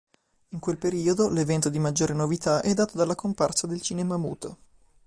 In quel periodo, l'evento di maggiore novità è dato dalla comparsa del cinema muto.